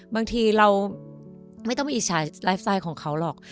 บางทีเราไม่ต้องไปอิจฉาไลฟ์สไตล์ของเขาหรอก